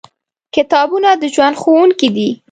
کتابونه د ژوند ښوونکي دي.